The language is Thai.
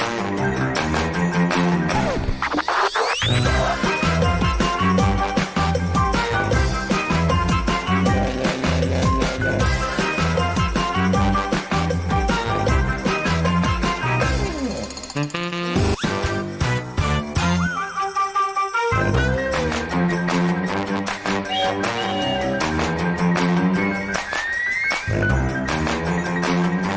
สวัสดีครับสวัสดีค่ะ